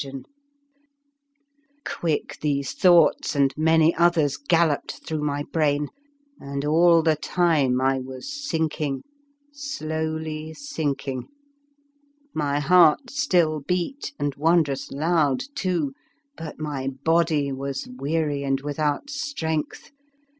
61 The Fearsome Island Quick these thoughts and many others galloped through my brain, and all the time I was sinking, slowly sink ing. My heart still beat, and won drous loud too; but my body was weary and without strength.